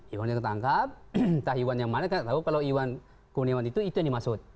iwan ini ketangkap entah iwan yang mana kita tidak tahu kalau iwan komunis iwan itu itu yang dimaksud